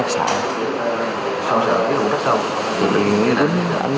sao sợ cái vụ bắt xong